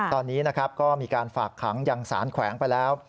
ตอนนี้นะครับก็มีการฝากขังยังสารแขวงไปแล้ว